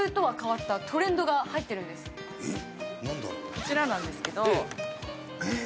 こちらなんですけど。